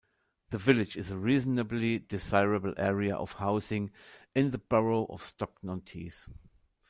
The village is a reasonably desirable area of housing in the borough of Stockton-on-Tees.